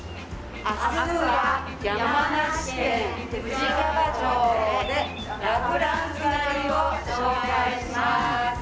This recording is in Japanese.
明日は山梨県富士川町でラ・フランス狩りをご紹介します。